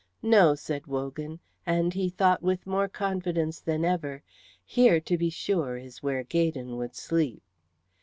"No," said Wogan; and he thought with more confidence than ever, "here, to be sure, is where Gaydon would sleep."